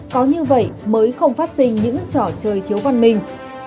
có như vậy mới không phát sinh những trò chơi thiếu văn minh